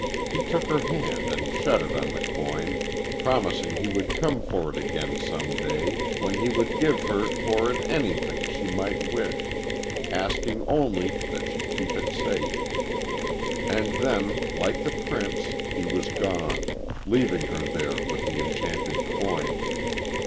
He took her hand and shut it on the coin, promising he would come for it again some day, when he would give her for it anything she might wish, asking only that she keep it safe. And then, like the prince, he was gone, leaving her there with the enchanted coin.